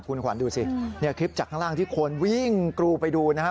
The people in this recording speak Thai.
คุณขวัญดูสิเนี่ยคลิปจากข้างล่างที่คนวิ่งกรูไปดูนะฮะ